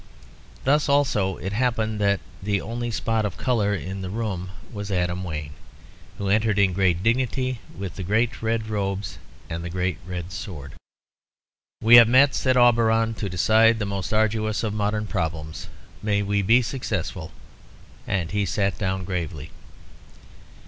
Thus also it happened that the only spot of colour in the room was Adam Wayne, who entered in great dignity with the great red robes and the great sword. "We have met," said Auberon, "to decide the most arduous of modern problems. May we be successful." And he sat down gravely.